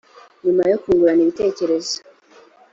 nyuma yo kungurana ibitekerezo